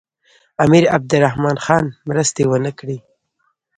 امیر عبدالرحمن خان مرستې ونه کړې.